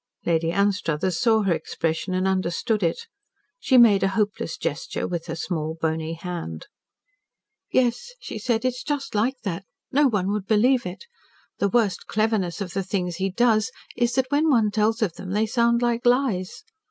Lady Anstruthers saw her expression and understood it. She made a hopeless gesture with her small, bony hand. "Yes," she said, "it is just like that. No one would believe it. The worst cleverness of the things he does, is that when one tells of them, they sound like lies.